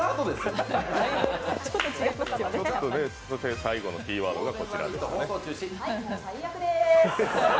最後のキーワードがこちらですね。